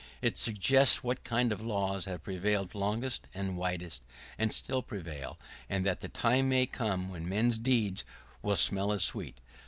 It suggests what kind of laws have prevailed longest and widest, and still prevail, and that the time may come when man's deeds will smell as sweet.